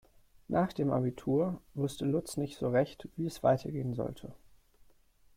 Nach dem Abitur wusste Lutz nicht so recht, wie es weitergehen sollte.